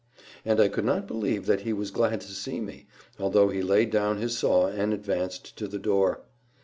And I could not believe that he was glad to see me, although he laid down his saw and advanced to the door.